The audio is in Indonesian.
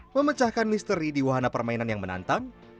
memecahkan misteri di wahana permainan yang menantang